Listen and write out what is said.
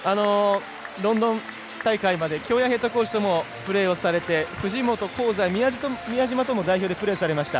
ロンドン大会まで京谷ヘッドコーチともプレーをされて藤本、香西、宮島とも代表でプレーされました。